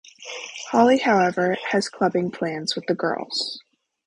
Holly however has clubbing plans with the girls.